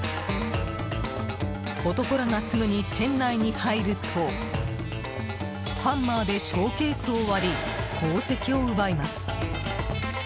男らがすぐに店内に入るとハンマーでショーケースを割り宝石を奪います。